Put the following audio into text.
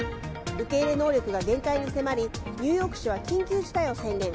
受け入れ能力が限界に迫りニューヨーク州は緊急事態を宣言。